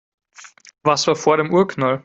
Was war vor dem Urknall?